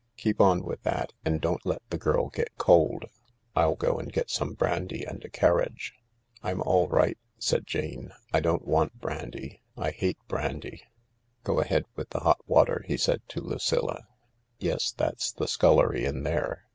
Keep on with that, and don't let the water get cold. I'll go and get some brandy and a carriage." " I'm all right," said Jane. " I don't want brandy— I hate brandy." J " Go ahead with the hot water," he said to Lucilla. "Yes, that's the scullery in there.